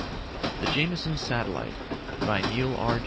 net THE JAMESON SATELLITE By NEIL R.